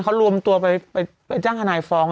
เขารวมตัวไปจ้างทนายฟ้อง